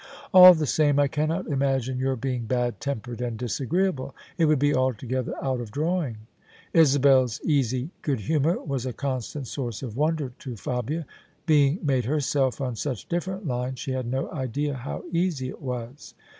" All the same, I cannot imagine your being bad tempered and disagreeable. It would be altogether out of drawing." Isabel's easy good humour was a constant source of wonder to Fabia: being made herself on such different lines, she had no idea how easy it was.